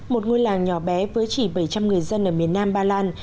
một ngôi làng nhỏ bé với chỉ bảy trăm linh người dân ở miền nam ba lan